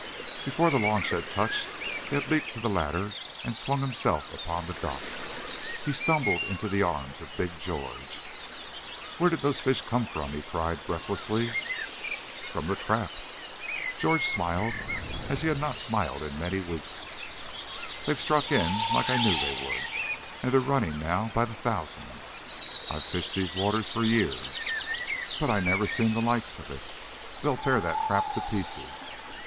Before the launch had touched, he had leaped to the ladder and swung himself upon the dock. He stumbled into the arms of Big George. "Where did those fish come from?" he cried, breathlessly. "From the trap." George smiled as he had not smiled in many weeks. "They've struck in like I knew they would, and they're running now by the thousands. I've fished these waters for years, but I never seen the likes of it. They'll tear that trap to pieces.